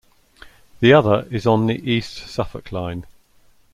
The other is on the East Suffolk Line.